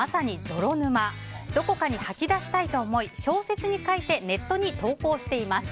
どこかに吐き出したいと思い小説に書いてネットに投稿しています。